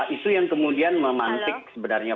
itu yang kemudian memantik sebenarnya